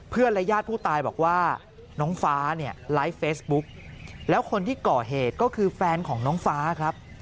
และญาติผู้ตายบอกว่าน้องฟ้าเนี่ยไลฟ์เฟซบุ๊กแล้วคนที่ก่อเหตุก็คือแฟนของน้องฟ้าครับ